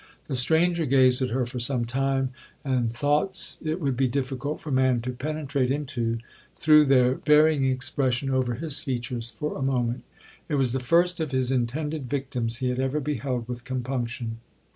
The stranger gazed at her for some time, and thoughts it would be difficult for man to penetrate into, threw their varying expression over his features for a moment. It was the first of his intended victims he had ever beheld with compunction.